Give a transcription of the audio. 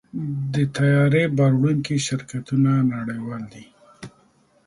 د طیارې بار وړونکي شرکتونه نړیوال دي.